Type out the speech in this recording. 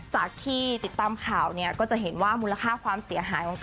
จากที่ติดตามข่าวเนี่ยก็จะเห็นว่ามูลค่าความเสียหายของเธอ